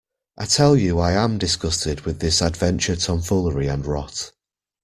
I tell you I am disgusted with this adventure tomfoolery and rot.